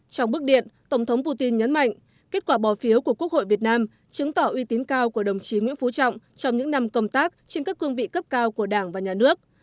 trong bức điện tổng thống putin nhấn mạnh kết quả bỏ phiếu của quốc hội việt nam chứng tỏ uy tín cao của đồng chí nguyễn phú trọng trong những năm công tác trên các cương vị cấp cao của đảng và nhà nước